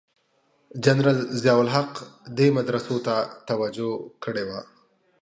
جنرال ضیأ الحق دې مدرسو ته توجه کړې وه.